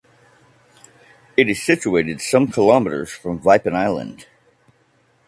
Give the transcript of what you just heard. It is situated some kilometres from Vypin island.